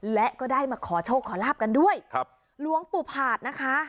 และก็ได้มาขอโชคขอลาบกันด้วยครับหลวงปู่ผาดนะคะ